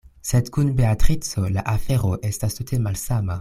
Sed kun Beatrico la afero estas tute malsama.